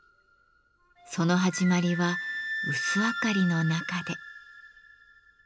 その始まりは薄明かりの中で。